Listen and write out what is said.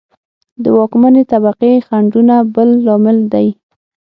د واکمنې طبقې خنډونه بل لامل دی